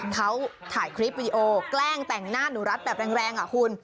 เขาถ่ายคลิปวิดีโอแกล้งแต่งหน้าหนูรัฐแบบแรงอ่ะคุณ